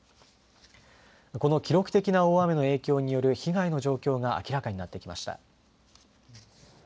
この記録的な大雨の影響による被害の状況が明らかになってきました。